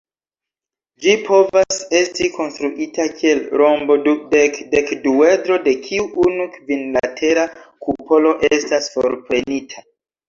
Ĝi povas esti konstruita kiel rombo-dudek-dekduedro de kiu unu kvinlatera kupolo estas forprenita.